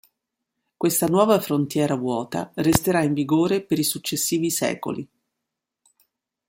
Questa nuova frontiera vuota resterà in vigore per i successivi secoli.